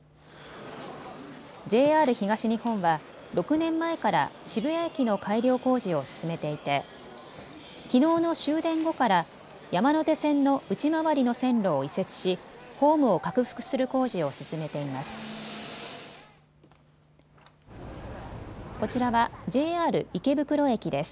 ＪＲ東日本は６年前から渋谷駅の改良工事を進めていてきのうの終電後から山手線の内回りの線路を移設しホームを拡幅する工事を進めています。